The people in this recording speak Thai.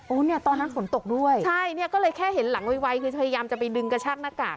เนี่ยตอนนั้นฝนตกด้วยใช่เนี่ยก็เลยแค่เห็นหลังไวคือพยายามจะไปดึงกระชากหน้ากาก